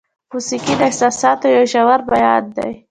موسیقي د احساساتو یو ژور بیان دی.